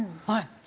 はい。